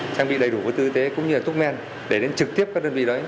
trang bị đầy đủ vật tư y tế cũng như thuốc men để đến trực tiếp các đơn vị đấy